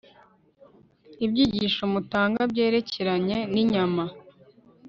ibyigisho mutanga byerekeranye ninyama